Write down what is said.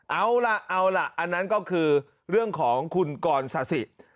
เอาล่ะเอาล่ะอันนั้นก็คือเรื่องของคุณกรสาธิ